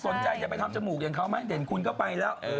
สนใจจะไปทำจมูกอย่างเขาไหมเดี๋ยวคุณก็ไปแล้ว